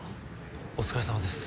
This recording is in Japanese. お疲れさまです。